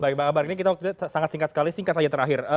baik bang akbar ini kita sangat singkat sekali singkat saja terakhir